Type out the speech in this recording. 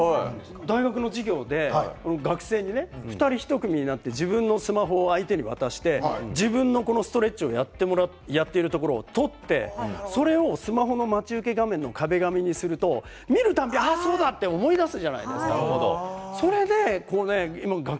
大学の授業で学生に２人１組になって自分のスマホを相手に渡してストレッチをやってるところを撮ってそれをスマホの待ち受け画面の壁紙にすると見る度に思い出すじゃないですか。